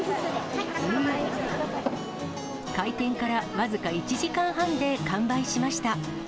開店から僅か１時間半で完売しました。